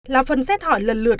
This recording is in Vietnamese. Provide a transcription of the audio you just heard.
là phần xét hỏi lần lượt